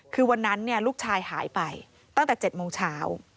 คือวันนั้นลูกชายหายไปตั้งแต่๗โมงเช้า